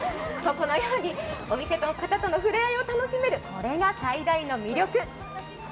このように、お店の方との触れ合いが楽しめるこれが最大の魅力。